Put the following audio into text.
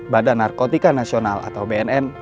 badan narkotika nasional atau bnn